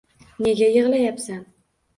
— Nega yig’layapsan